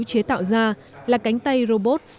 chế tạo ra là cánh tay robot